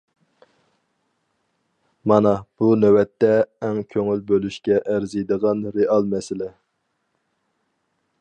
مانا بۇ نۆۋەتتە ئەڭ كۆڭۈل بۆلۈشكە ئەرزىيدىغان رېئال مەسىلە.